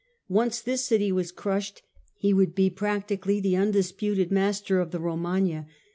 Once this FIRE AND SWORD 183 city was crushed he would be practically the undisputed master of the Romagna.